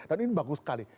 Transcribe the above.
dan ini bagus sekali